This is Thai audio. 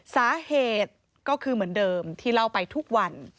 สาเหตุก็คือเหมือนเดิมที่เล่าไปทุกวัน